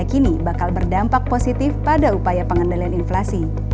kini bakal berdampak positif pada upaya pengendalian inflasi